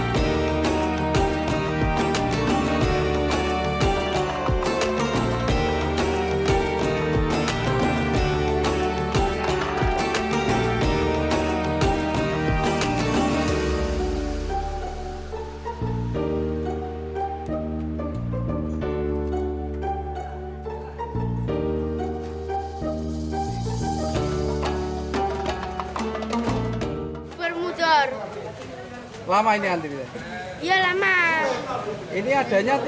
terus rasanya gimana ini